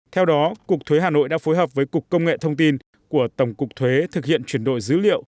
theo đó cục thuế hà nội đã phối hợp với cục công nghệ thông tin của tổng cục thuế thực hiện chuyển đổi dữ liệu